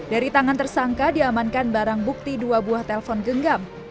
dari tangan tersangka diamankan barang bukti dua buah telpon genggam